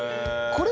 これ。